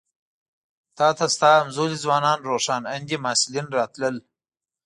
تا ته ستا همزولي ځوانان روښان اندي محصلین راتلل.